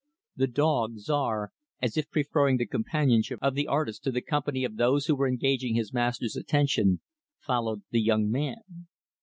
The dog, Czar, as if preferring the companionship of the artist to the company of those who were engaging his master's attention, followed the young man.